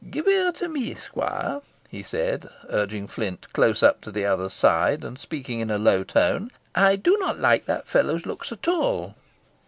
"Give ear to me, squire," he said, urging Flint close up to the other's side, and speaking in a low tone, "I do not like the fellow's looks at all."